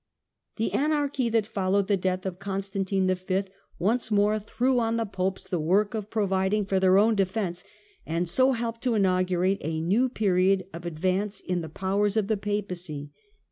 The anarchy that followed the death of Constantine V. once more threw on the Popes the work of provid ng for their own defence, and so helped to inaugur ate a new period of advance in the powers of the Papacy.